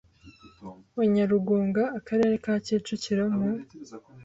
wa Nyarugunga Akarere ka Kicukiro mu